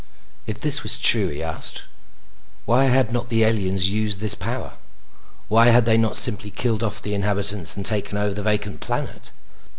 If this was true, he asked, why had not the aliens used this power? Why had they not simply killed off the inhabitants and taken over the vacant planet?